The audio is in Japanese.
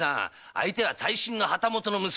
相手は大身の旗本の息子。